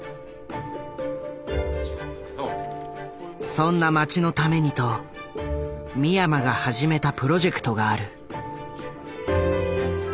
そんな街のためにと三山が始めたプロジェクトがある。